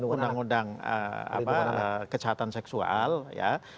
undang undang kejahatan seksual ya